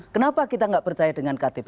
kenapa kita tidak percaya dengan ktp